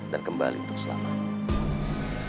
dan kembali untuk selamanya